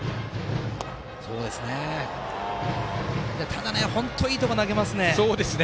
ただ、本当にいいところに投げますね。